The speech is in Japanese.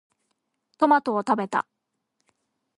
トマトを食べた。